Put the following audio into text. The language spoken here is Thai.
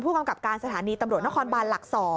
กำกับการสถานีตำรวจนครบานหลัก๒